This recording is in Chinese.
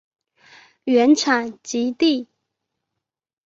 原产极地。